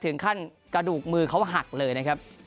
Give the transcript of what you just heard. ถึงขั้นกระดูกมือเขาหักเลยนะครับ